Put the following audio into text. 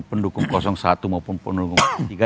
pendukung satu maupun pendukung tiga